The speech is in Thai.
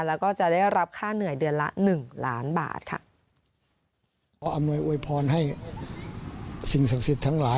แล้วก็จะได้รับค่าเหนื่อยเดือนละ๑ล้านบาทค่ะ